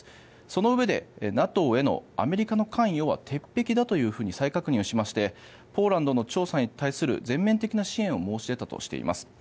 そのうえでＮＡＴＯへのアメリカの関与は鉄壁だというふうに再確認しましてポーランドの調査に対する全面的な支援を申し出たとしています。